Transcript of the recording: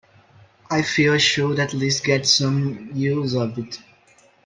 I feel I should at least get some use out of it.